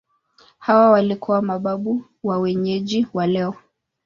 Hawa walikuwa mababu wa wenyeji wa leo.